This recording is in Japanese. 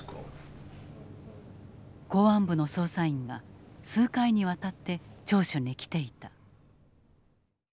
公安部の捜査員が数回にわたって聴取に来ていた。